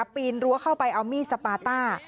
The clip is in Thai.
ปีนรั้วเข้าไปเอามีดสปาต้า